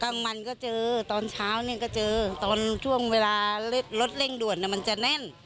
บางวันก็เจอตอนเช้าเนี่ยก็เจอตอนช่วงเวลารถเร่งด่วนมันจะแน่น